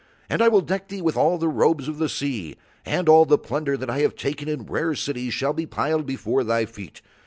And I will deck thee with all the robes of the sea, and all the plunder that I have taken in rare cities shall be piled before thy feet.